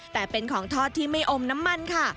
แต่เป็นของทอดที่ไม่อมน้ำมันค่ะ